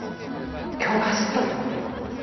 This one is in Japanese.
「経が走っとる！」っていうことですよ。